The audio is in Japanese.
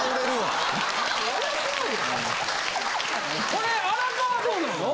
これ荒川どうなの？